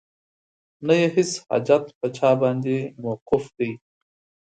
نه یې هیڅ حاجت په چا باندې موقوف دی